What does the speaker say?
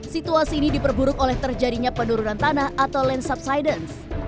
situasi ini diperburuk oleh terjadinya penurunan tanah atau land subsidence